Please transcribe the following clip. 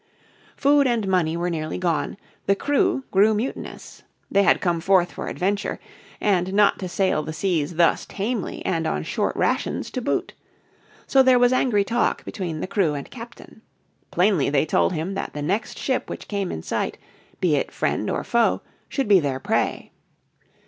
Food and money were nearly gone, the crew grew mutinous. They had come forth for adventure, and not to sail the seas thus tamely and on short rations to boot. So there was angry talk between the crew and captain. Plainly they told him that the next ship which came in sight, be it friend or foe, should be their prey.